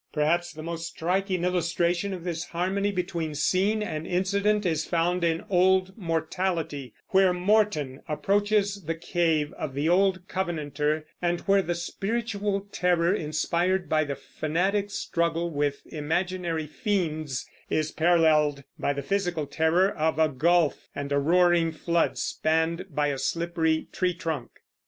Perhaps the most striking illustration of this harmony between scene and incident is found in Old Mortality, where Morton approaches the cave of the old Covenanter, and where the spiritual terror inspired by the fanatic's struggle with imaginary fiends is paralleled by the physical terror of a gulf and a roaring flood spanned by a slippery tree trunk.